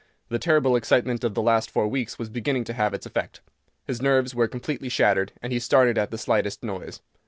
The terrible excitement of the last four weeks was beginning to have its effect. His nerves were completely shattered, and he started at the slightest noise.